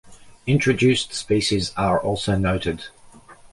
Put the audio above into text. Introduced species are also noted.